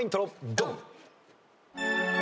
ドン！